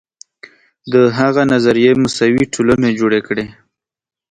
د هغه نظریې مساوي ټولنې جوړې کړې.